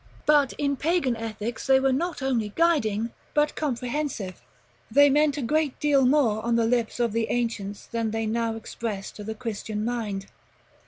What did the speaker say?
But in Pagan ethics, they were not only guiding, but comprehensive. They meant a great deal more on the lips of the ancients, than they now express to the Christian mind.